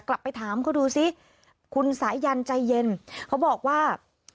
กลับไปถามเขาดูสิคุณสายันใจเย็นเขาบอกว่า